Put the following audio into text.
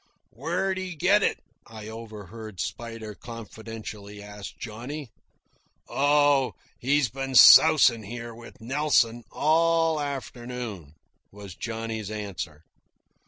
"Where'd he get it?" I overheard Spider confidentially ask Johnny. "Oh, he's been sousin' here with Nelson all afternoon," was Johnny's answer.